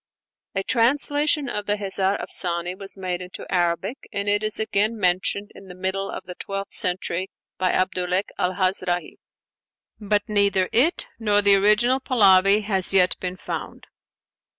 A translation of the 'Hezar Afsane' was made into Arabic, and it is again mentioned in the middle of the twelfth century by Abdulhec al Házraji; but neither it nor the original Pahlavi has yet been found.